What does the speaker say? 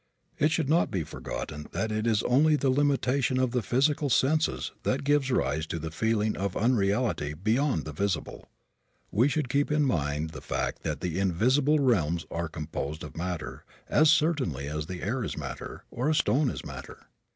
It should not be forgotten that it is only the limitation of the physical senses that gives rise to the feeling of unreality beyond the visible. We should keep in mind the fact that the invisible realms are composed of matter as certainly as the air is matter, or a stone is matter.